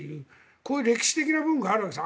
こういう歴史的な部分があるわけです。